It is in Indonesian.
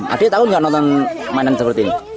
adik tau gak nonton mainan seperti ini